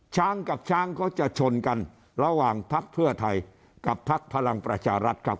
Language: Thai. ช้างกับช้างเขาจะชนกันระหว่างพักเพื่อไทยกับพักพลังประชารัฐครับ